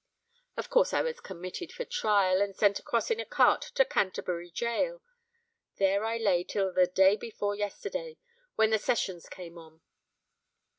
Of course I was committed for trial, and sent across in a cart to Canterbury gaol. There I lay till the day before yesterday, when the sessions came on.